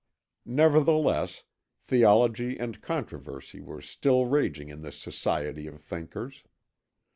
"Nevertheless, theology and controversy were still raging in this society of thinkers.